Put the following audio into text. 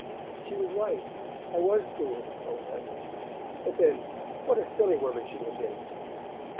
She was right; I was cruel, alas! but then, what a silly woman she had been!